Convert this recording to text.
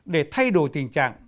để thay đổi tình trạng